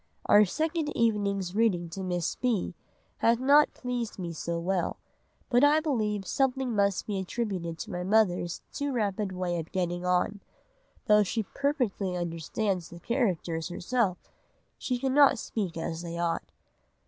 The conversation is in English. Our second evening's reading to Miss B. had not pleased me so well, but I believe something must be attributed to my mother's too rapid way of getting on: though she perfectly understands the characters herself, she cannot speak as they ought.